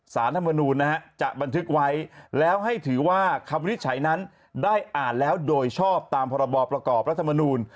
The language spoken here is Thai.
สารธรรมนูลจะบันทึกไว้แล้วให้ถือว่าคำวินิจฉัยนั้นได้อ่านแล้วโดยชอบตามพรบประกอบรัฐมนูล